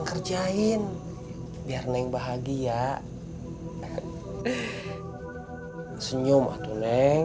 kerjain biar naik bahagia senyum atuh neng